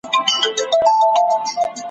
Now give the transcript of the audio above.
دا هلمند هلمند رودونه ,